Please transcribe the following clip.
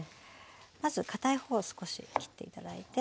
まず堅い方を少し切って頂いて。